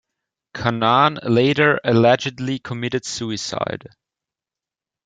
Kanaan later allegedly committed suicide.